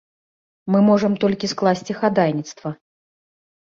Мы можам толькі скласці хадайніцтва.